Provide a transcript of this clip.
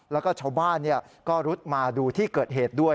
แล้วก็ชาวบ้านก็รุดมาดูที่เกิดเหตุด้วย